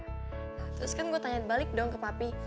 nah terus kan gue tanya balik dong ke papi